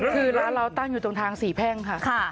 คือร้านเราตั้งอยู่ตรงทางสี่แพ่งค่ะ